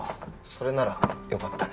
それならよかったね。